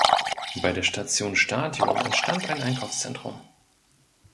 Bei der Station Stadion entstand ein Einkaufszentrum.